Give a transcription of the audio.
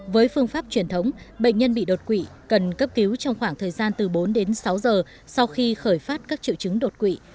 với phương pháp truyền thống bệnh nhân bị đột quỵ cần cấp cứu trong khoảng thời gian từ bốn đến sáu giờ sau khi khởi phát các triệu chứng đột quỵ